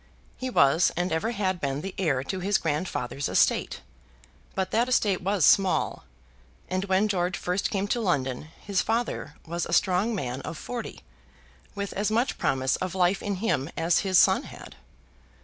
He was and ever had been the heir to his grandfather's estate; but that estate was small, and when George first came to London his father was a strong man of forty, with as much promise of life in him as his son had.